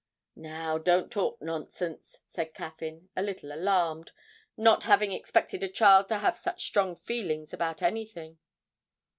'Now don't talk nonsense,' said Caffyn, a little alarmed, not having expected a child to have such strong feelings about anything.